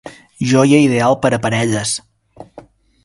Joia ideal per a parelles.